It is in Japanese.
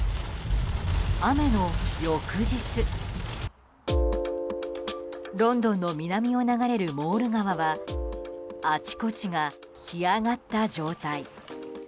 雨の翌日、ロンドンの南を流れるモール川はあちこちが干上がった状態。